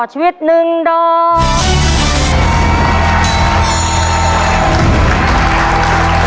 ต่อชีวิตหนึ่งดอม